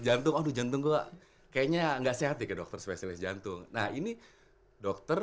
jantung aduh jantung gua kayaknya nggak sehat ke dokter spesialis jantung nah ini dokter